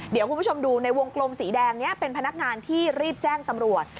เดี๋ยวคุณผู้ชมดูในวงกลมสีแดงนี้เป็นพนักงานที่รีบแจ้งตำรวจ